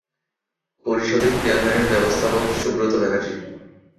পরিষদের চেয়ারম্যানের ব্যবস্থাপক সুব্রত ব্যানার্জি।